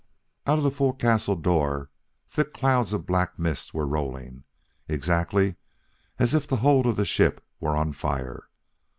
Out of the forecastle door thick clouds of black mist were rolling, exactly as if the hold of the ship were on fire.